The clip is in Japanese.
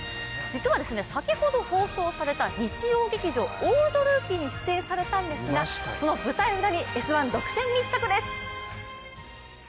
実は、先ほど放送された日曜劇場「オールドルーキー」に出演されたんですがその舞台裏に「Ｓ☆１」独占密着です。